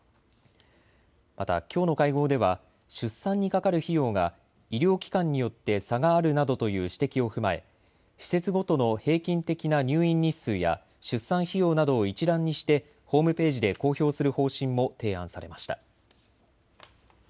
また、きょうの会合では出産にかかる費用が医療機関によって差があるなどという指摘を踏まえ施設ごとの平均的な入院日数や出産費用などを一覧にしてホームページで公表する方針も提案されました。